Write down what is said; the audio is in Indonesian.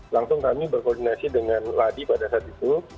langsung kami berkoordinasi dengan ladi pada saat itu